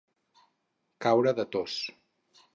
Caure de tos.